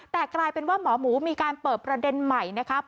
แต่กลายเป็นว่าหมอหมูมีการเปิดประเด็นใหม่นะครับ